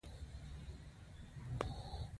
رپوټونه تایید شول.